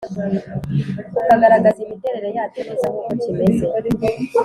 ukagaragaza imiterere yacyo neza nkuko kimeze